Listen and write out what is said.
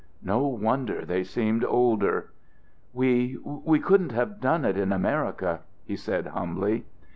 No wonder they seemed older. "We we couldn't have done it in America," he said humbly.